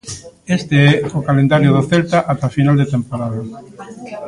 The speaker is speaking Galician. Este é o calendario do Celta ata final de temporada.